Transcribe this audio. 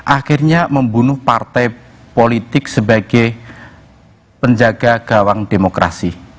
akhirnya membunuh partai politik sebagai penjaga gawang demokrasi